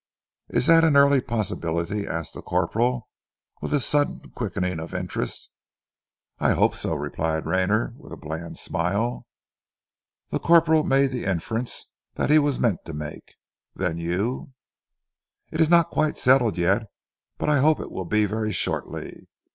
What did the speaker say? "Is that an early possibility?" asked the corporal, with a sudden quickening of interest. "I hope so," replied Rayner, with a bland smile. The corporal made the inference that he was meant to make. "Then you " "It is not quite settled yet, but I hope it will be very shortly.